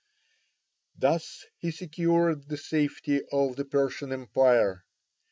Thus he secured the safety of the Persian empire.